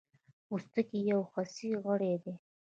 پوستکی یو حسي غړی دی.